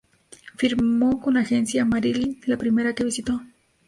Firmó con la Agencia Marilyn, la primera que visitó.